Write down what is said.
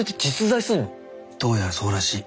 どうやらそうらしい。